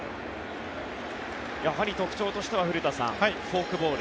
特徴としては古田さんフォークボール。